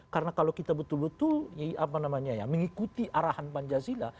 karena kalau kita betul betul mengikuti arahan panjazila